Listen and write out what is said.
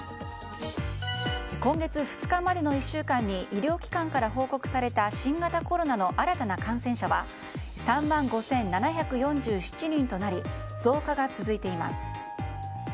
今月２日までの１週間に医療機関から報告された新型コロナの新たな感染者は３万５７４７人となり増加が続いています。